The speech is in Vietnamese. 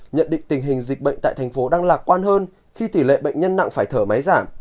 nhận định tình hình dịch bệnh tại thành phố đang lạc quan hơn khi tỷ lệ bệnh nhân nặng phải thở máy giảm